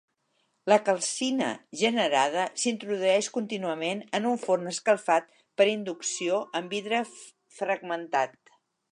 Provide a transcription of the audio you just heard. La "calcina" generada s'introdueix contínuament en un forn escalfat per inducció amb vidre fragmentat.